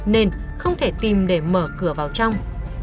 nên không thể tìm để mở cửa vào trong